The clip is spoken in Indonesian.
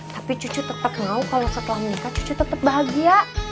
tapi cucu tetap mau kalau setelah menikah cucu tetap bahagia